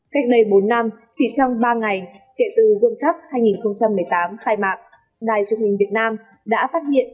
cách đây bốn năm chỉ trong ba ngày kể từ quân cấp hai nghìn một mươi tám khai mạng đài truyền hình việt nam đã phát hiện